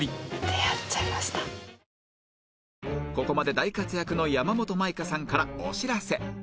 ここまで大活躍の山本舞香さんからお知らせ